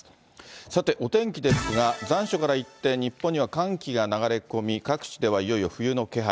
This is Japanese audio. さて、お天気ですが、残暑から一転、日本には寒気が流れ込み、各地ではいよいよ冬の気配。